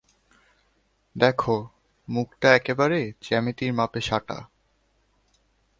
দেখ, মুখটা একেবারে জ্যামিতির মাপে সাঁটা।